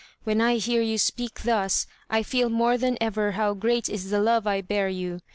When I hear you speak thus, I feel more than ever how great is the love I bear you.